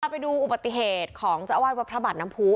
เราไปดูอุบัติเหตุของชาวอาวาส้มประบาทน้ำพู